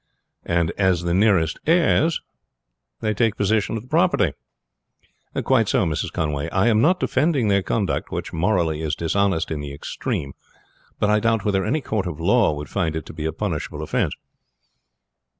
"And as the nearest heirs take possession of the property." "Quite so, Mrs. Conway. I am not defending their conduct, which morally is dishonest in the extreme, but I doubt whether any court of law would find it to be a punishable offense."